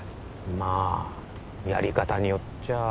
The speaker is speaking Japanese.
まあやり方によっちゃあ